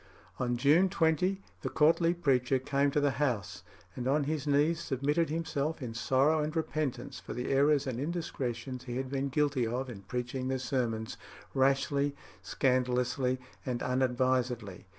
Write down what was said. On June 20 the courtly preacher came to the House, and on his knees submitted himself in sorrow and repentance for the errors and indiscretions he had been guilty of in preaching the sermons "rashly, scandalously, and unadvisedly."